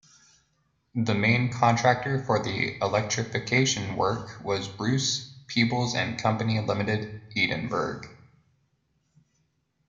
The main contractor for the electrification work was Bruce Peebles and Company Limited, Edinburgh.